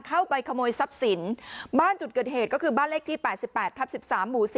เข้าไปขโมยทรัพย์สินบ้านจุดเกิดเหตุก็คือบ้านเลขที่๘๘ทับ๑๓หมู่๔